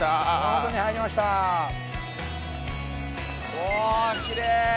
おきれい。